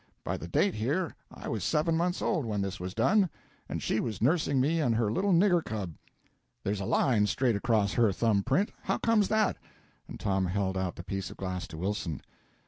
By the date here, I was seven months old when this was done, and she was nursing me and her little nigger cub. There's a line straight across her thumb print. How comes that?" and Tom held out the piece of glass to Wilson.